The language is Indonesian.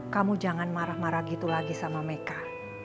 kamu jangan marah marah gitu lagi sama meka